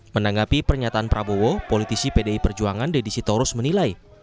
menanggapi pernyataan prabowo politisi pdi perjuangan deddy sitorus menilai